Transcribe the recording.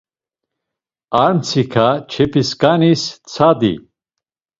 Ar mtsika çefisǩanis tsadi.